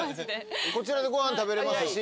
こちらでご飯食べれますし。